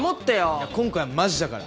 いや今回マジだから！